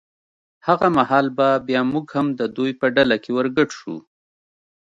هغه مهال به بیا موږ هم د دوی په ډله کې ور ګډ شو.